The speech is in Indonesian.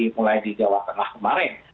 mulai di jawa tengah kemarin